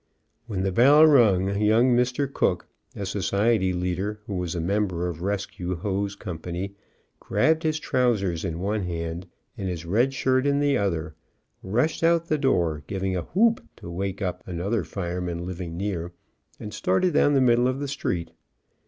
When the bell rung young Mr. Cook, a society leader The cow got his shirt on one horn. who was a member of Rescue Hose company, grabbed his trousers in one hand and his red shirt in the other, rushed out the door, giving a whoop to wake up another fireman living near, and started down the middle of the street.